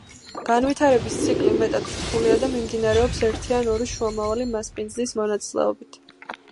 განვითარების ციკლი მეტად რთულია და მიმდინარეობს ერთი ან ორი შუამავალი მასპინძლის მონაწილეობით.